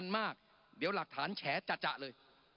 มากเดี๋ยวหลักฐานแฉจะเลย